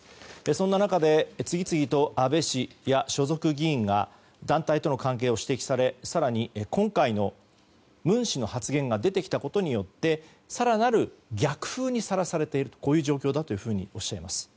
そんな中で次々と安倍氏や所属議員が団体との関係を指摘され更に、今回の文氏の発言が出てきたことによって更なる逆風にさらされている状況だとおっしゃいます。